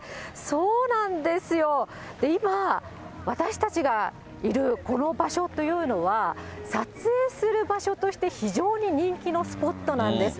そうなんですよ、今、私たちがいるこの場所というのは、撮影する場所として非常に人気のスポットなんです。